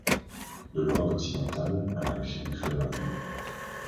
De l’Europe occidentale à la région du fleuve Amour.